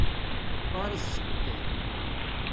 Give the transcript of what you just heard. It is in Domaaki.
پرسک